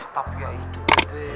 tapi ya itu bebep